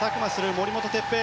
森本哲平。